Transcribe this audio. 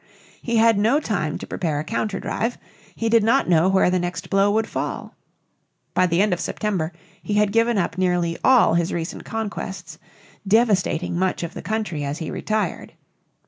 He had no time to prepare a counter drive; he did not know where the next blow would fall. By the end of September he had given up nearly all his recent conquests, devastating much of the country as he retired.